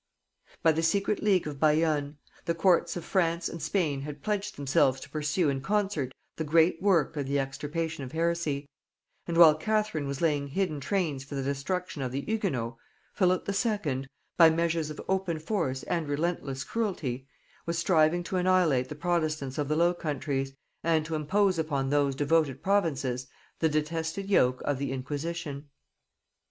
By the secret league of Bayonne, the courts of France and Spain had pledged themselves to pursue in concert the great work of the extirpation of heresy; and while Catherine was laying hidden trains for the destruction of the Hugonots, Philip II., by measures of open force and relentless cruelty, was striving to annihilate the protestants of the Low Countries, and to impose upon those devoted provinces the detested yoke of the inquisition.